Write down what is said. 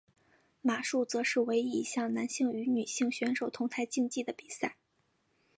马术则是唯一一项男性和女性选手同台竞技的比赛。